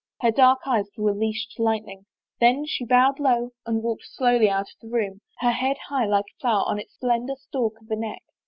Her dark eyes were leashed lightning. Then she bowed low and walked slowly out of the room, her head high like a flower on its slender stalk of a neck.